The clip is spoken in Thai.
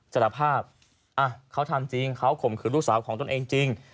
สารภาพเขาทำจริงเขาข่มขืนลูกสาวของตนเองจริง